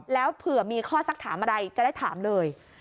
แล้วเผื่อมีข้อสักถามอะไรจะได้ถามเลย